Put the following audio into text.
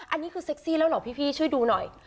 อันนี้คือเซ็กซี่แล้วเหรอพี่ช่วยดูหน่อย